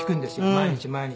毎日毎日。